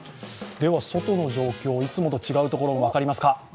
外の状況、いつもと違うところ分かりますか？